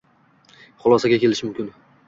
xulosaga kelish mumkin.